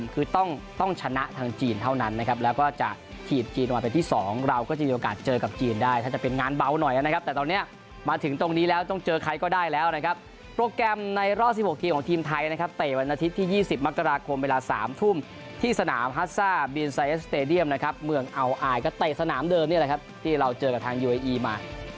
ของเราก็จะมีโอกาสเจอกับจีนได้ถ้าจะเป็นงานเบาหน่อยนะครับแต่ตอนเนี้ยมาถึงตรงนี้แล้วต้องเจอใครก็ได้แล้วนะครับโปรแกรมในรอดสี่หกทีมของทีมไทยนะครับเตะวันอาทิตย์ที่ยี่สิบมกราคมเวลาสามทุ่มที่สนามฮาซ่าบีเอ็นไซเอสสเตรเดียมนะครับเมืองเอาอายก็เตะสนามเดิมเนี้ยแหละครับที่เราเจอกับทางยู